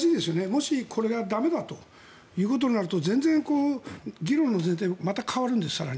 もし、これが駄目だということになると全然議論の前提が変わるんです。